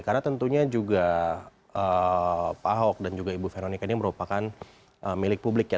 karena tentunya juga pak ahok dan juga ibu veronica ini merupakan milik publik ya